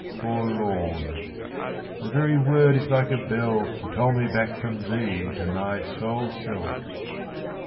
70 Forlorn! the very word is like a bell To toll me back from thee to my sole self!